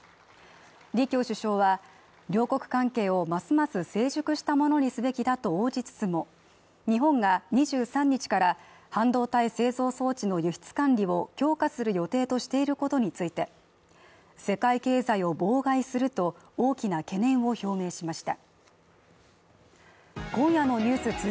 李強首相は両国関係をますます成熟したものにすべきだと応じつつも、日本が２３日から半導体製造装置の輸出管理を強化する予定としていることについて、世界経済を妨害すると、大きな懸念を表明しました。